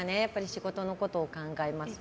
仕事のことを考えますと。